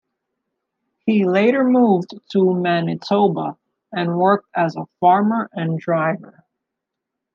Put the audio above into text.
He later moved to Manitoba, and worked as a farmer and driver.